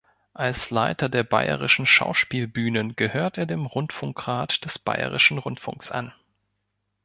Als Leiter der Bayerischen Schauspielbühnen gehört er dem Rundfunkrat des Bayerischen Rundfunks an.